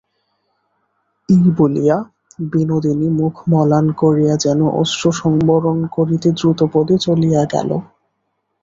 এই বলিয়া বিনোদিনী মুখ মলান করিয়া যেন অশ্রুসংবরণ করিতে দ্রুতপদে চলিয়া গেল।